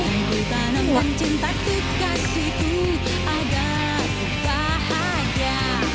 hingga tanamkan cinta kekasihku agar ku bahagia